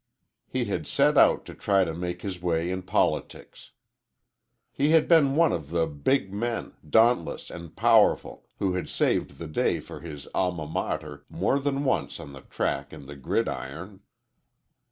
He had set out to try to make his way in politics. He had been one of the "big men," dauntless and powerful, who had saved the day for his alma mater more than once on the track and the gridiron.